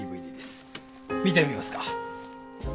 見てみますか？